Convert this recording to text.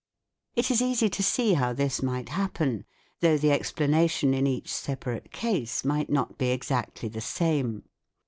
It is ea, sy to see how this might happen, though the explanation in each separate case might not be exactly the same.